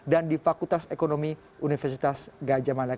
dan di fakultas ekonomi universitas gajah malaya